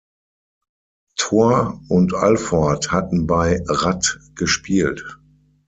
Thorr und Alford hatten bei Ratt gespielt.